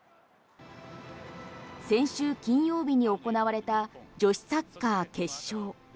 先週金曜日に行われた女子サッカー決勝。